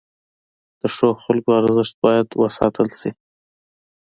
د ښو خلکو ارزښت باید وساتل شي.